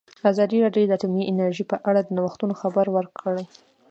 ازادي راډیو د اټومي انرژي په اړه د نوښتونو خبر ورکړی.